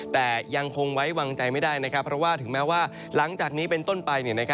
แต่ยังคงไว้วางใจไม่ได้นะครับเพราะว่าถึงแม้ว่าหลังจากนี้เป็นต้นไป